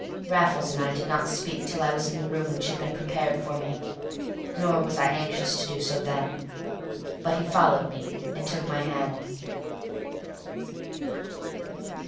Raffles and I did not speak till I was in the room which had been prepared for me. Nor was I anxious to do so then. But he followed me and took my hand.